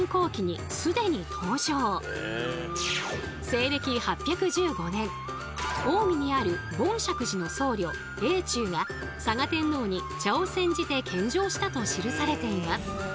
西暦８１５年近江にある梵釈寺の僧侶永忠が嵯峨天皇に茶を煎じて献上したと記されています。